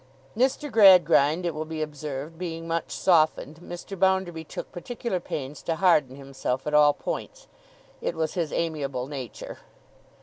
Mr. Gradgrind, it will be observed, being much softened, Mr. Bounderby took particular pains to harden himself at all points. It was his amiable nature.